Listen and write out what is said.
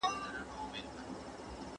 ¬ د لاس په گوتو کي لا هم فرق سته.